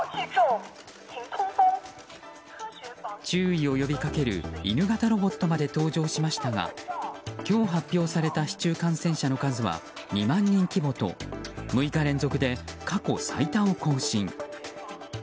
注意を呼び掛ける犬型ロボットまで登場しましたが今日発表された市中感染者の数は２万人規模と６日連続で過去最多を更新。